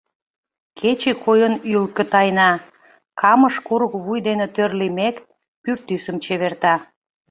Кече койын ӱлкӧ тайна, Камыш курык вуй дене тӧр лиймек, пӱртӱсым чеверта.